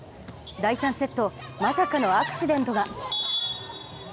第３セット、まさかのアクシデントが。